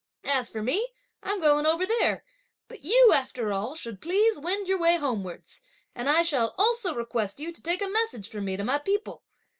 As for me, I'm going over there, but you, after all, should please wend your way homewards; and I shall also request you to take a message for me to my people.